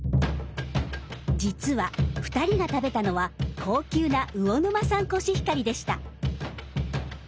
実は２人が食べたのは高級な魚沼産コシヒカリでした。